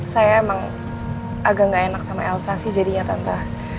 saya emang agak gak enak sama elsa sih jadinya tante